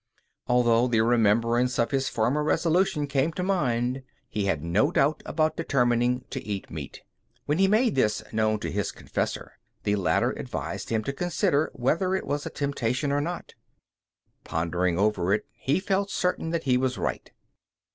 Although the remembrance of his former resolution came to mind, he had no doubt about determining to eat meat. When he made this known to his confessor, the latter advised him to consider whether it was a temptation or not. Pondering over it, he felt certain that he was right.